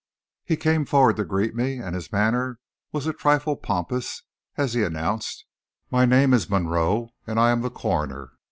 He came forward to greet me, and his manner was a trifle pompous as he announced, "My name is Monroe, and I am the coroner.